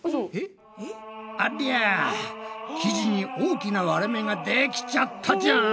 ありゃ生地に大きな割れ目ができちゃったじゃん！